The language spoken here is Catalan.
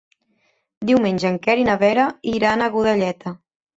Diumenge en Quer i na Vera iran a Godelleta.